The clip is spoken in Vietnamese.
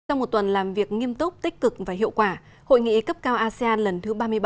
sau một tuần làm việc nghiêm túc tích cực và hiệu quả hội nghị cấp cao asean lần thứ ba mươi bảy